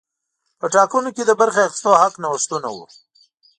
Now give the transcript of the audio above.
په ټاکنو کې د برخې اخیستو حق نوښتونه وو.